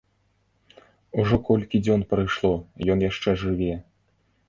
Ужо колькі дзён прайшло, ён яшчэ жыве.